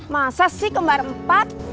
masa sih kembar empat